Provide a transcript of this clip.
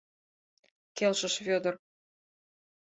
— Келшыш Вӧдыр.